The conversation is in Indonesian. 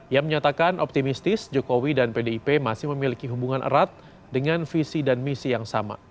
ia menyatakan optimistis jokowi dan pdip masih memiliki hubungan erat dengan visi dan misi yang sama